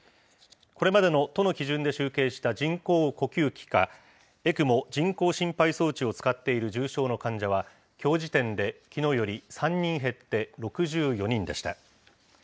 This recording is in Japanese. これまでの都の基準で集計した人工呼吸器か、ＥＣＭＯ・人工心肺装置を使っている重症の患者は、きょう時点できのうより３人減って６４人でした。